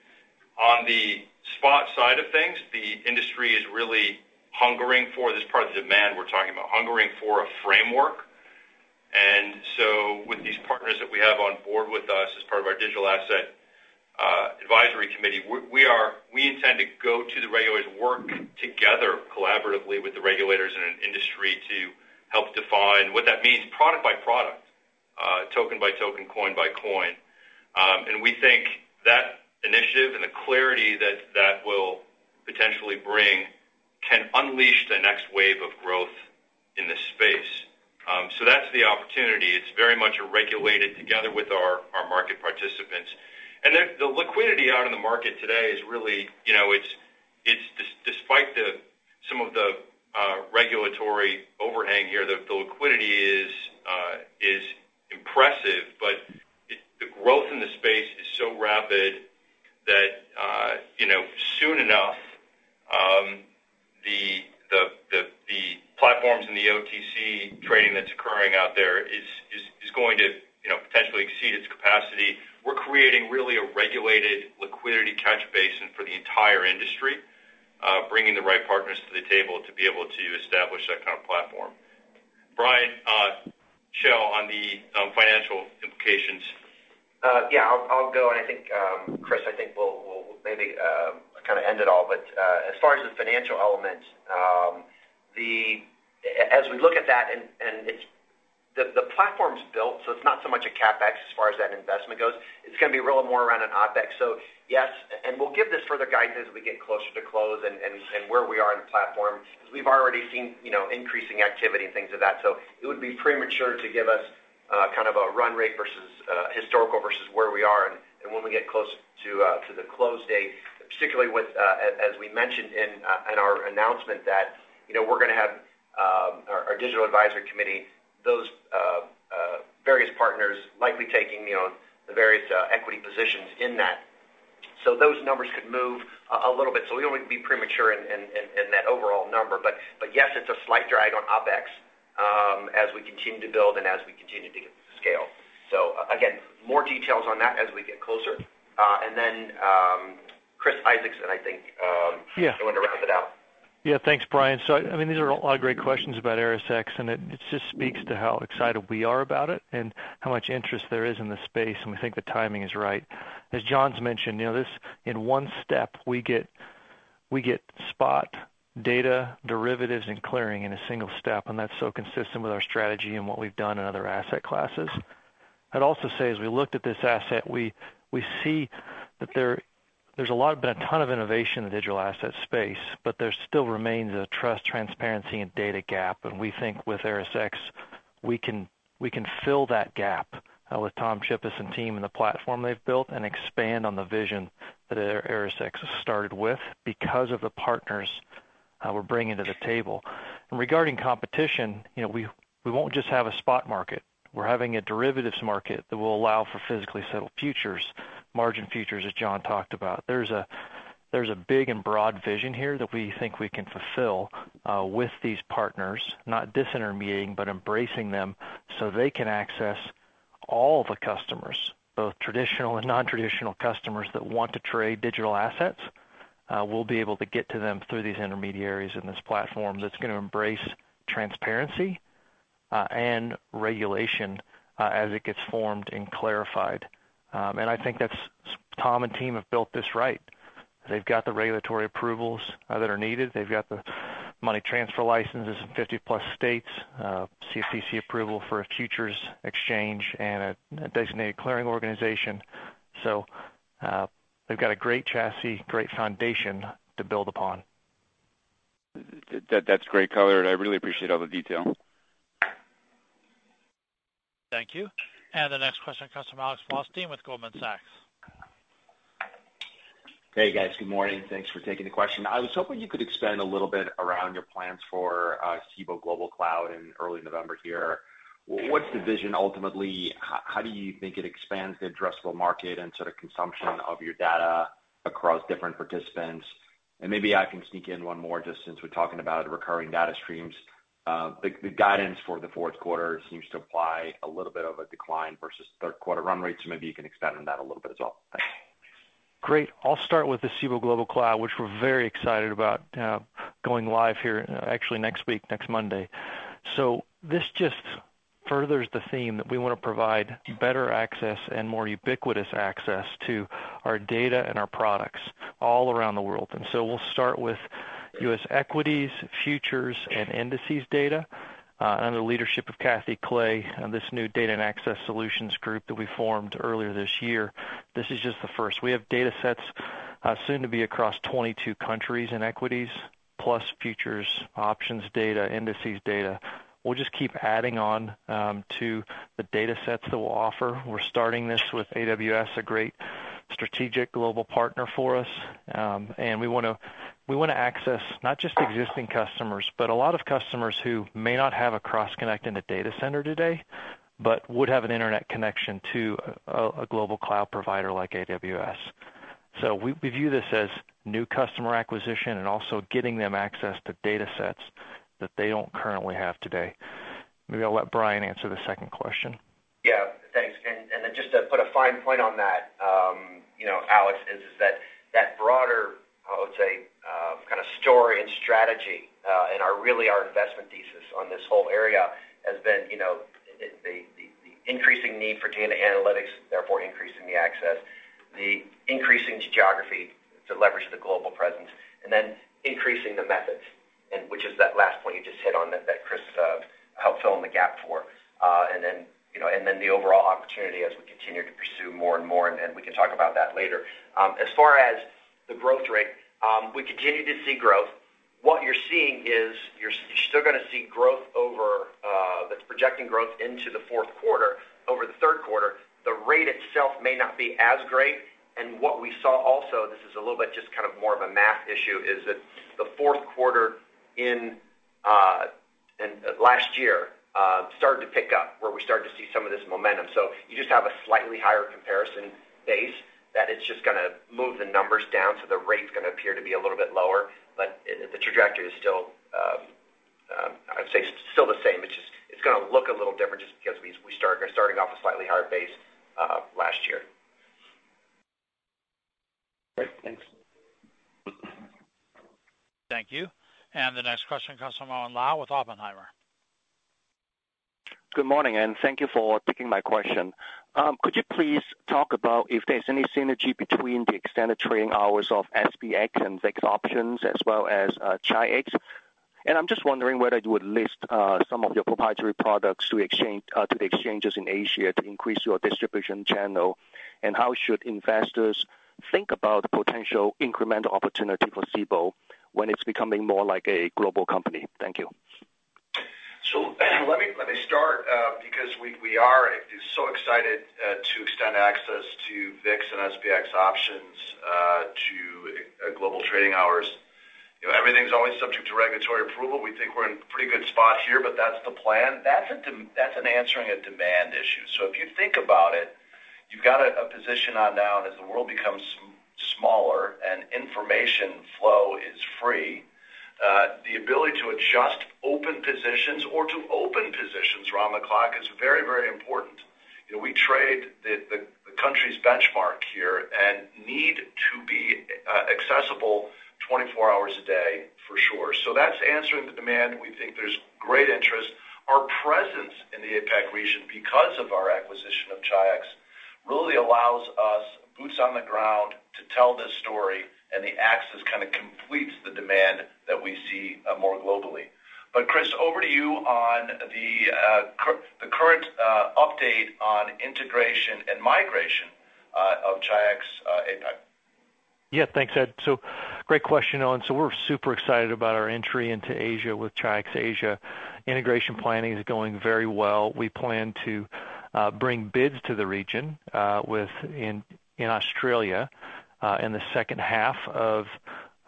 On the spot side of things, the industry is really hungering for this part of the demand we're talking about, hungering for a framework. With these partners that we have on board with us as part of our digital asset advisory committee, we intend to go to the regulators, work together collaboratively with the regulators in an industry to help define what that means product by product, token by token, coin by coin. We think that initiative and the clarity that that will potentially bring can unleash the next wave of growth in this space. That's the opportunity. It's very much a regulated together with our market participants. The liquidity out in the market today is really, you know, it's despite some of the regulatory overhang here, the liquidity is impressive, but the growth in the space is so rapid that, you know, soon enough, the platforms and the OTC trading that's occurring out there is going to, you know, potentially exceed its capacity. We're creating really a regulated liquidity catch basin for the entire industry, bringing the right partners to the table to be able to establish that kind of platform. Brian Schell on the financial implications. Yeah, I'll go and I think, Chris, I think we'll maybe kind of end it all. As far as the financial element, as we look at that and it's the platform's built, so it's not so much a CapEx as far as that investment goes. It's gonna be really more around an OpEx. Yes, and we'll give this further guidance as we get closer to close and where we are in the platform because we've already seen, you know, increasing activity and things of that. It would be premature to give us kind of a run rate versus historical versus where we are. When we get close to the close date, particularly as we mentioned in our announcement that, you know, we're gonna have our digital advisory committee, those various partners likely taking, you know, the various equity positions in that. Those numbers could move a little bit. We don't wanna be premature in that overall number. Yes, it's a slight drag on OpEx as we continue to build and as we continue to scale. Again, more details on that as we get closer. Chris Isaacson, I think. Yeah. is going to round it out. Yeah. Thanks, Brian. I mean, these are all great questions about ErisX, and it just speaks to how excited we are about it and how much interest there is in this space, and we think the timing is right. As John's mentioned, you know, this in one step, we get spot data derivatives and clearing in a single step, and that's so consistent with our strategy and what we've done in other asset classes. I'd also say, as we looked at this asset, we see that there's been a ton of innovation in the digital asset space, but there still remains a trust, transparency and data gap. We think with ErisX, we can fill that gap with Tom Chippas and team and the platform they've built and expand on the vision that ErisX has started with because of the partners we're bringing to the table. Regarding competition, you know, we won't just have a spot market. We're having a derivatives market that will allow for physically settled futures, margin futures as John talked about. There's a big and broad vision here that we think we can fulfill with these partners, not disintermediating, but embracing them so they can access all the customers, both traditional and non-traditional customers that want to trade digital assets. We'll be able to get to them through these intermediaries in this platform that's gonna embrace transparency and regulation as it gets formed and clarified. I think Tom and team have built this right. They've got the regulatory approvals that are needed. They've got the money transfer licenses in 50+ states, CFTC approval for a futures exchange and a designated clearing organization. They've got a great chassis, great foundation to build upon. That's great color, and I really appreciate all the detail. Thank you. The next question comes from Alexander Blostein with Goldman Sachs. Hey, guys. Good morning. Thanks for taking the question. I was hoping you could expand a little bit around your plans for Cboe Global Cloud in early November here. What's the vision ultimately? How do you think it expands the addressable market and sort of consumption of your data across different participants? And maybe I can sneak in one more, just since we're talking about recurring data streams. The guidance for the Q4 seems to apply a little bit of a decline versus Q3 run rates. Maybe you can expand on that a little bit as well. Thanks. Great. I'll start with the Cboe Global Cloud, which we're very excited about, going live here actually next week, next Monday. This just furthers the theme that we wanna provide better access and more ubiquitous access to our data and our products all around the world. We'll start with U.S. equities, futures, and indices data, under the leadership of Catherine Clay and this new Data and Access Solutions group that we formed earlier this year. This is just the first. We have datasets, soon to be across 22 countries in equities, plus futures, options data, indices data. We'll just keep adding on to the datasets that we'll offer. We're starting this with AWS, a great strategic global partner for us. We wanna access not just existing customers, but a lot of customers who may not have a cross-connect in a data center today, but would have an internet connection to a global cloud provider like AWS. We view this as new customer acquisition and also getting them access to datasets that they don't currently have today. Maybe I'll let Brian answer the second question. Yeah, thanks. Just to put a fine point on that, you know, Alex, is that broader, I would say, kinda story and strategy, and are really our investment thesis on this whole area has been, you know, the increasing need for data analytics, therefore increasing the access, the increasing geography to leverage the global presence, and then increasing the methods and which is that last point you just hit on that Chris helped fill in the gap for. You know, and then the overall opportunity as we continue to pursue more and more, and we can talk about that later. As far as the growth rate, we continue to see growth. What you're seeing is you're still gonna see growth over. That's projecting growth into the Q4 over the Q3. The rate itself may not be as great. What we saw also, this is a little bit just kind of more of a math issue, is that the Q4 in last year started to pick up where we started to see some of this momentum. You just have a slightly higher comparison base that it's just gonna move the numbers down, so the rate's gonna appear to be a little bit lower. The trajectory is still, I'd say, still the same. It's just it's gonna look a little different just because we are starting off a slightly higher base last year. Great. Thanks. Thank you. The next question comes from Owen Lau with Oppenheimer. Good morning, and thank you for taking my question. Could you please talk about if there's any synergy between the extended trading hours of SPX and VIX options as well as Chi-X? I'm just wondering whether you would list some of your proprietary products to exchange to the exchanges in Asia to increase your distribution channel. How should investors think about potential incremental opportunity for Cboe when it's becoming more like a global company? Thank you. Let me start because we are so excited to extend access to VIX and SPX options to global trading hours. You know, everything's always subject to regulatory approval. We think we're in pretty good spot here, but that's the plan. That's answering a demand issue. If you think about it, you've got a position on now and as the world becomes smaller and information flow is free, the ability to adjust open positions or to open positions around the clock is very important. You know, we trade the country's benchmark here and need to be accessible 24 hours a day for sure. That's answering the demand. We think there's great interest. Our presence in the APAC region because of our acquisition of Chi-X really allows us boots on the ground to tell this story, and the access kind of completes the demand that we see more globally. Chris, over to you on the current update on integration and migration of Chi-X APAC. Yeah. Thanks, Ed. Great question, Owen. We're super excited about our entry into Asia with Chi-X Asia Pacific. Integration planning is going very well. We plan to bring BIDS to the region within Australia in the second half of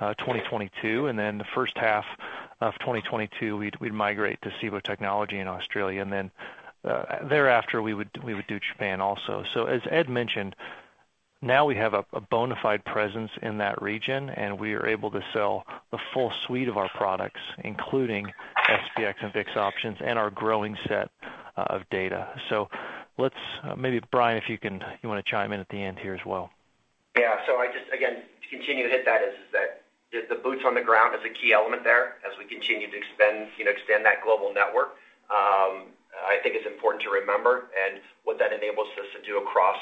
2022. The first half of 2022, we'd migrate to Cboe technology in Australia. Thereafter, we would do Japan also. As Ed mentioned, now we have a bona fide presence in that region, and we are able to sell the full suite of our products, including SPX and VIX options and our growing set of data. Let's maybe, Brian, if you can, you wanna chime in at the end here as well. I just, again, to continue to hit that is that the boots on the ground is a key element there as we continue to, you know, extend that global network. I think it's important to remember and what that enables us to do across,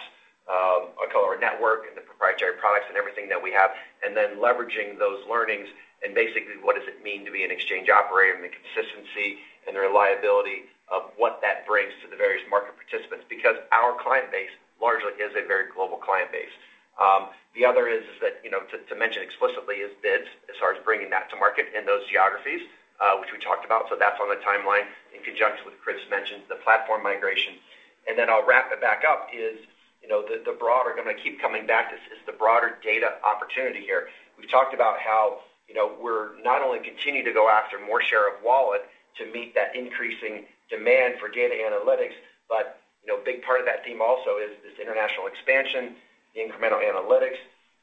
I'll call it our network and the proprietary products and everything that we have, and then leveraging those learnings and basically what does it mean to be an exchange operator and the consistency and reliability of what that brings to the various market participants. Because our client base largely is a very global client base. The other is that, you know, to mention explicitly is BIDS as far as bringing that to market in those geographies, which we talked about. That's on the timeline in conjunction with Chris mentioned, the platform migration. Then I'll wrap it back up, you know, the broader. I'm gonna keep coming back to the broader data opportunity here. We've talked about how, you know, we're not only continuing to go after more share of wallet to meet that increasing demand for data analytics, but, you know, a big part of that theme also is international expansion, the incremental analytics,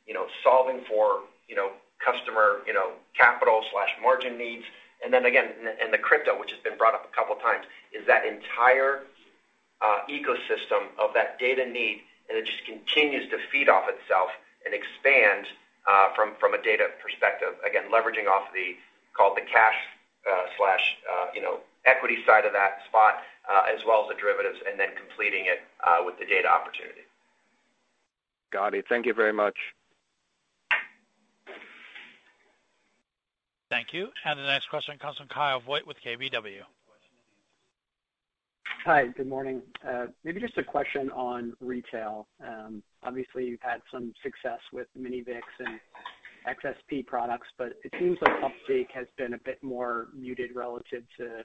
you know, solving for, you know, customer capital/margin needs. The crypto, which has been brought up a couple of times, is that entire ecosystem of that data need, and it just continues to feed off itself and expand from a data perspective. Again, leveraging off the call it the cash slash you know equity side of that spot, as well as the derivatives, and then completing it with the data opportunity. Got it. Thank you very much. Thank you. The next question comes from Kyle Voigt with KBW. Hi, good morning. Maybe just a question on retail. Obviously, you've had some success with Mini VIX and XSP products, but it seems like uptake has been a bit more muted relative to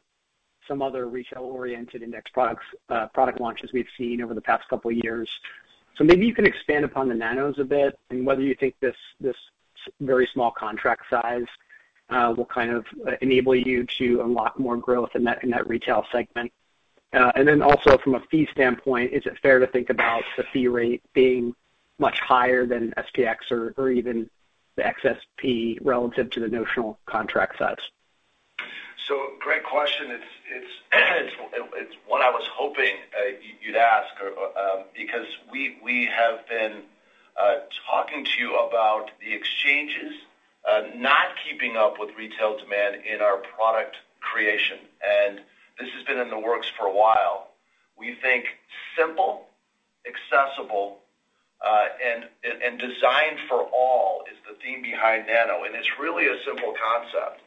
some other retail-oriented index products, product launches we've seen over the past couple of years. Maybe you can expand upon the Nanos a bit and whether you think this very small contract size will kind of enable you to unlock more growth in that retail segment. And then also from a fee standpoint, is it fair to think about the fee rate being much higher than SPX or even the XSP relative to the notional contract size? Great question. It's one I was hoping you'd ask, because we have been talking to you about the exchanges not keeping up with retail demand in our product creation. This has been in the works for a while. We think simple, accessible, and designed for all is the theme behind Nanos. It's really a simple concept.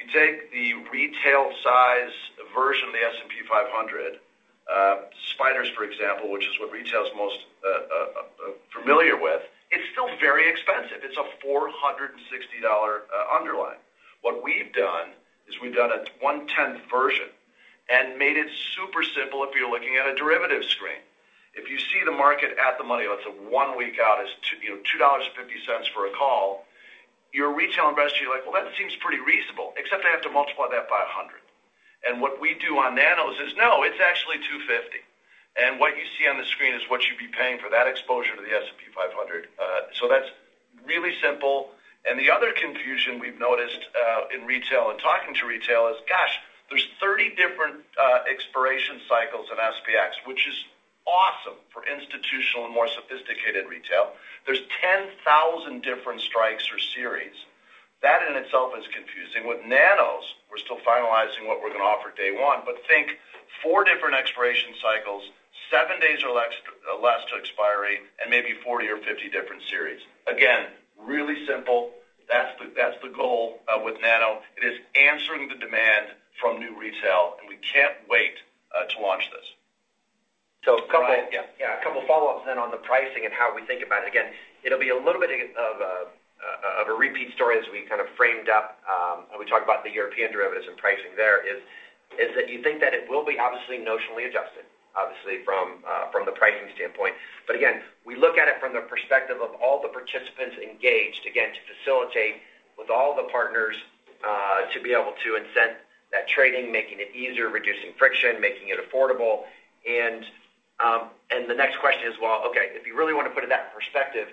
You take the retail size version of the S&P 500, Spiders, for example, which is what retail is most familiar with, it's still very expensive. It's a $460 underlying. What we've done is a one-tenth version and made it super simple if you're looking at a derivative screen. If you see the market at the money, let's say one week out is $2, you know, $2.50 for a call, your retail investor, you're like, "Well, that seems pretty reasonable, except I have to multiply that by 100." What we do on Nanos is no, it's actually $2.50. What you see on the screen is what you'd be paying for that exposure to the S&P 500. That's really simple. The other confusion we've noticed in retail and talking to retail is, gosh, there's 30 different expiration cycles in SPX, which is awesome for institutional and more sophisticated retail. There's 10,000 different strikes or series. That in itself is confusing. With Nanos, we're still finalizing what we're gonna offer day one, but think four different expiration cycles, seven days or less, less to expiry, and maybe 40 or 50 different series. Again, really simple. That's the goal with Nano. It is answering the demand from new retail, and we can't wait to launch this. A couple Right. Yeah, a couple of follow-ups then on the pricing and how we think about it. Again, it'll be a little bit of a repeat story as we kind of framed up when we talked about the European derivatives and pricing there is that you think that it will be obviously notionally adjusted, obviously from the pricing standpoint. But again, we look at it from the perspective of all the participants engaged, again, to facilitate with all the partners to be able to incent that trading, making it easier, reducing friction, making it affordable. The next question is, well, okay, if you really wanna put it in that perspective,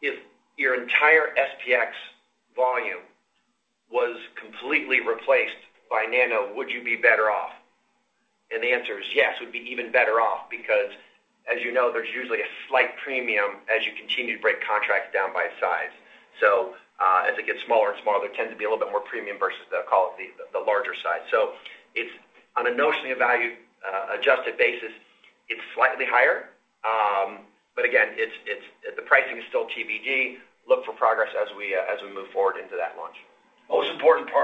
if your entire SPX volume was completely replaced by Nanos, would you be better off? The answer is yes, we'd be even better off because as you know, there's usually a slight premium as you continue to break contracts down by size. As it gets smaller and smaller, there tend to be a little bit more premium versus the, call it, the larger size. It's on a notional value adjusted basis, it's slightly higher. Again, it's the pricing is still TBD. Look for progress as we move forward into that launch. Importantly,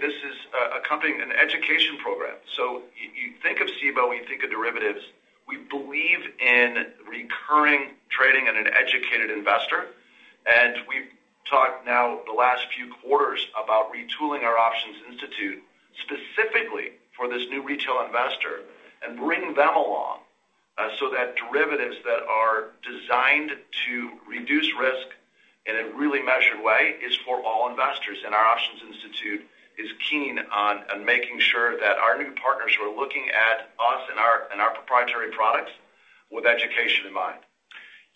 this is accompanying an education program. You think of Cboe, you think of derivatives. We believe in recurring trading and an educated investor. We've talked now the last few quarters about retooling our Options Institute specifically for this new retail investor and bring them along, so that derivatives that are designed to reduce risk in a really measured way is for all investors. Our Options Institute is keen on making sure that our new partners who are looking at us and our proprietary products with education in mind.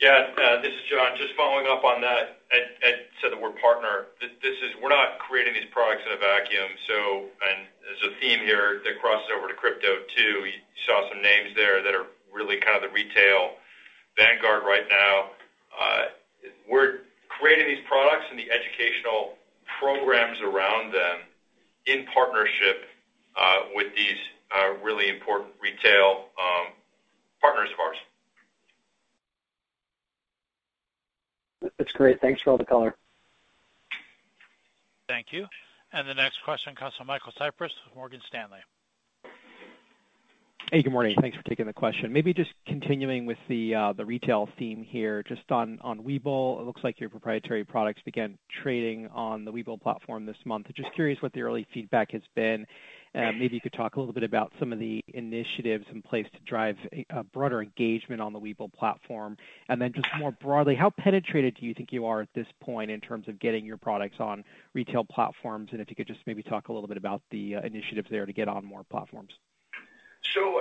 Yeah, this is John. Just following up on that. Ed said the word partner. This is, we're not creating these products in a vacuum. The theme here that crosses over to crypto too. You saw some names there that are really kind of the retail vanguard right now. We're creating these products and the educational programs around them in partnership with these really important retail partners of ours. That's great. Thanks for all the color. Thank you. The next question comes from Michael Cyprys with Morgan Stanley. Hey, good morning. Thanks for taking the question. Maybe just continuing with the retail theme here just on Webull. It looks like your proprietary products began trading on the Webull platform this month. Just curious what the early feedback has been. Maybe you could talk a little bit about some of the initiatives in place to drive a broader engagement on the Webull platform. Then just more broadly, how penetrated do you think you are at this point in terms of getting your products on retail platforms? If you could just maybe talk a little bit about the initiatives there to get on more platforms.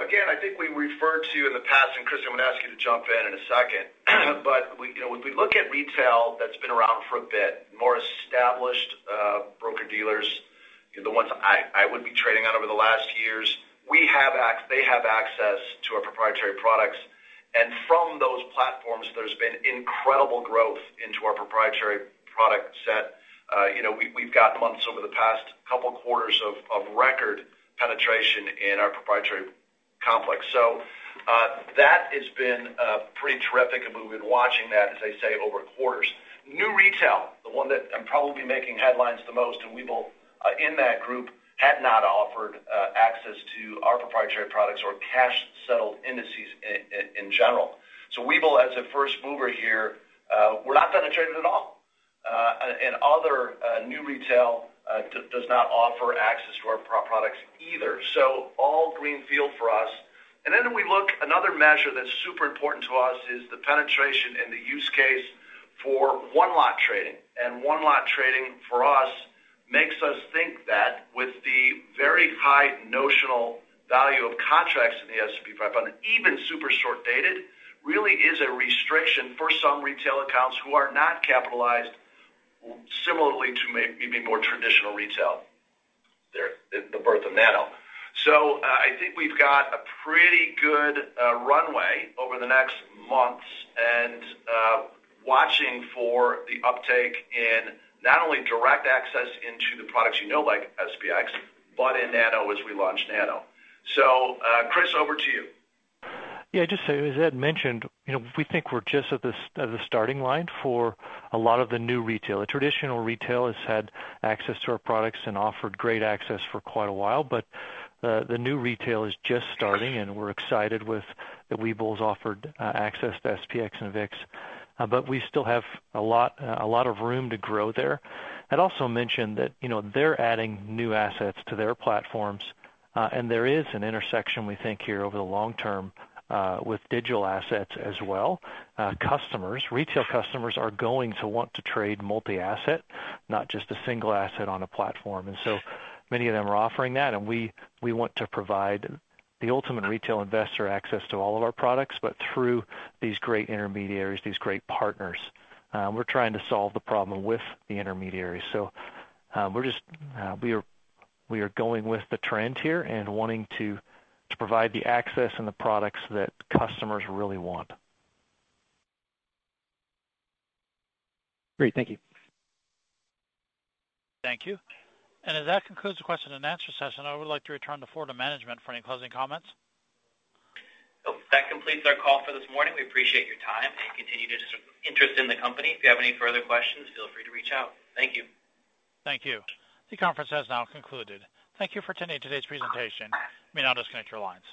Again, I think we referred to it in the past. Chris, I'm gonna ask you to jump in in a second. We, you know, when we look at retail that's been around for a bit, more established broker-dealers, you know, the ones I would be trading on over the last years, they have access to our proprietary products. From those platforms, there's been incredible growth into our proprietary product set. We've got months over the past couple quarters of record penetration in our proprietary complex. That has been pretty terrific, and we've been watching that, as I say, over quarters. New retail, the one that I'm probably making headlines the most, and Webull in that group had not offered access to our proprietary products or cash-settled indices in general. Webull, as a first mover here, we're not penetrated at all. Other new retail does not offer access to our products either. All greenfield for us. We look at another measure that's super important to us is the penetration and the use case for one-lot trading. One-lot trading for us makes us think that with the very high notional value of contracts in the S&P 500, even super short-dated, really is a restriction for some retail accounts who are not capitalized similarly to maybe more traditional retail. That's the birth of Nano. I think we've got a pretty good runway over the next months and watching for the uptake in not only direct access into the products you know, like SPX, but in Nano as we launch Nano. Chris, over to you. Yeah, just as Ed mentioned, you know, we think we're just at the starting line for a lot of the new retail. The traditional retail has had access to our products and offered great access for quite a while. The new retail is just starting, and we're excited with that Webull's offered access to SPX and VIX. We still have a lot of room to grow there. I'd also mention that, you know, they're adding new assets to their platforms, and there is an intersection we think here over the long term with digital assets as well. Customers, retail customers are going to want to trade multi-asset, not just a single asset on a platform. Many of them are offering that, and we want to provide the ultimate retail investor access to all of our products, but through these great intermediaries, these great partners. We're trying to solve the problem with the intermediaries. We're just going with the trend here and wanting to provide the access and the products that customers really want. Great. Thank you. Thank you. As that concludes the Q&A session, I would like to return the floor to management for any closing comments. That completes our call for this morning. We appreciate your time and continued interest in the company. If you have any further questions, feel free to reach out. Thank you. Thank you. The conference has now concluded. Thank you for attending today's presentation. You may now disconnect your lines.